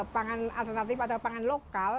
pangan alternatif atau pangan lokal